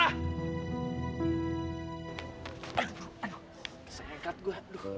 aduh kesel banget gue